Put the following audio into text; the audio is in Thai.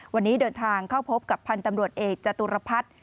วันนี้เดินทางเข้าพบกับพันธ์ตำรวจเอกจตุรพัฒน์